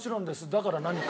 だから何か？